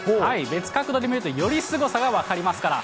別角度で見ると、よりすごさが分かりますから。